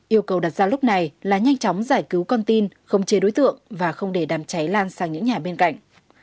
yêu cầu đặt ra lúc này là nhanh chóng giải cứu con tin không chế đối tượng và không để đám cháy lan sang những nhà bên cạnh